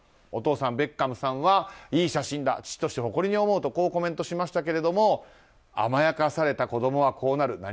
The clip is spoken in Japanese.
お父さん、ベッカムさんはいい写真だ、父として誇りに思うとコメントしましたが甘やかされた子供はこうなる。